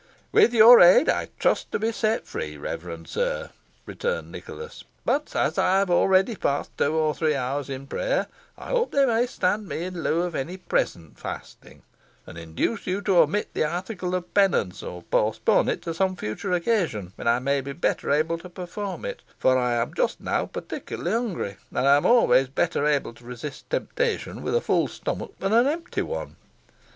"With your aid, I trust to be set free, reverend sir," returned Nicholas; "but, as I have already passed two or three hours in prayer, I hope they may stand me in lieu of any present fasting, and induce you to omit the article of penance, or postpone it to some future occasion, when I may be better able to perform it; for I am just now particularly hungry, and am always better able to resist temptation with a full stomach than an empty one.